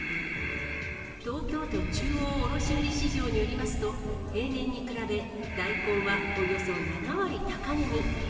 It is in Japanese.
東京都中央卸売市場によりますと、平年に比べ、大根はおよそ７割高値に。